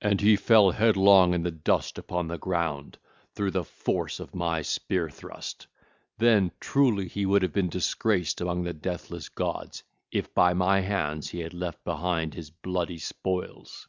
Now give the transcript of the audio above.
And he fell headlong in the dust upon the ground through the force of my spear thrust; then truly he would have been disgraced among the deathless gods, if by my hands he had left behind his bloody spoils.